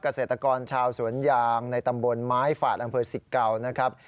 เกษตรกรชาวสวนยางในตำบลไม้ฝาดอำเภอสิกเก่านะครับ